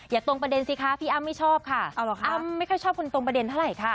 ตรงประเด็นสิคะพี่อ้ำไม่ชอบค่ะอ้ำไม่ค่อยชอบคนตรงประเด็นเท่าไหร่ค่ะ